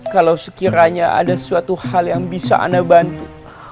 kalau sekiranya ada suatu hal yang bisa anda bantu